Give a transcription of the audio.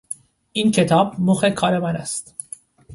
این کتاب مخ کار من است.